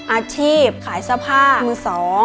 อาชีพขายสะพาห์มือ๒